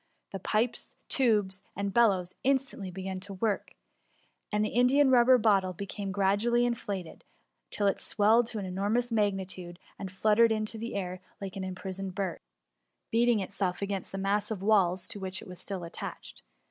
The pipes, tubes, and bellows, instantly began to work ; and the In dian rubber bottle became gradually inflated, till it swelled to an enormous magnitude, and fluttered in the air like an imprisoned bird. THE MUMMY. 2£5 beating itself against the massive walls to which it was still attached.